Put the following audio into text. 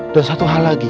dan satu hal lagi